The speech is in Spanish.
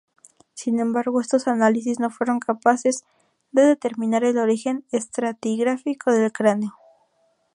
Sin embargo, estos análisis no fueron capaces de determinar el origen estratigráfico del cráneo.